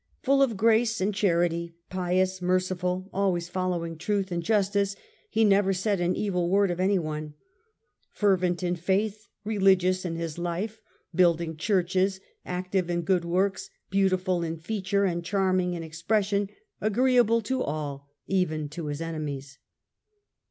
Full of grace and charity, pious, merciful, always following truth and justice, he never said an evil word of any one. Fervent in faith, religious in his life, building Churches, active in good works, beautiful in feature and charming in expression, agreeable to all, even to his enemies."